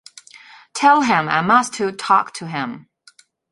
Tell him I must to talk to him.